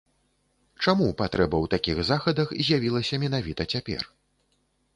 Чаму патрэба ў такіх захадах з'явілася менавіта цяпер?